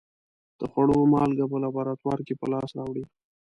د خوړو مالګه په لابراتوار کې په لاس راوړي.